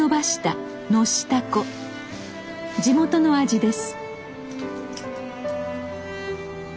地元の味です。